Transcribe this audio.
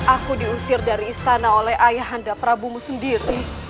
aku diusir dari istana oleh ayah anda prabu mu sendiri